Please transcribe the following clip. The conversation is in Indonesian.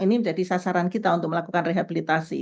ini menjadi sasaran kita untuk melakukan rehabilitasi